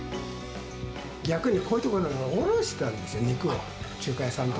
逆にこういう所に卸してたんですよ、肉を、中華屋さんに。